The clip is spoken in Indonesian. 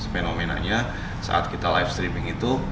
fenomenanya saat kita live streaming itu